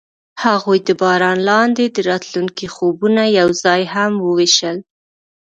هغوی د باران لاندې د راتلونکي خوبونه یوځای هم وویشل.